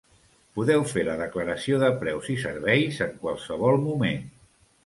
Podeu fer la declaració de preus i serveis en qualsevol moment.